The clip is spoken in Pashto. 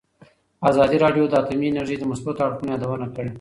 ازادي راډیو د اټومي انرژي د مثبتو اړخونو یادونه کړې.